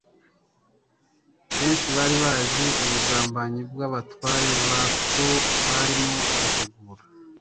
benshi bari bazi ubugambanyi bw'abatware bakuru barimo bitegura;